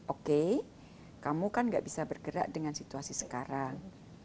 oke kamu kan gak bisa bergerak dengan situasi sekarang